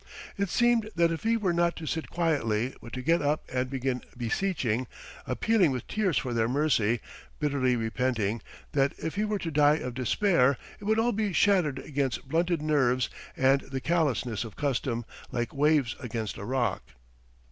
It seemed that if he were not to sit quietly but to get up and begin beseeching, appealing with tears for their mercy, bitterly repenting, that if he were to die of despair it would all be shattered against blunted nerves and the callousness of custom, like waves against a rock.